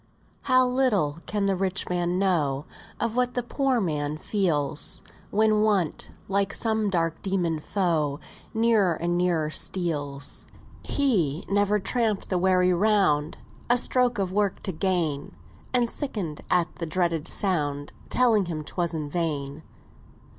"How little can the rich man know Of what the poor man feels, When Want, like some dark dæmon foe, Nearer and nearer steals! He never tramp'd the weary round, A stroke of work to gain, And sicken'd at the dreaded sound Telling him 'twas in vain.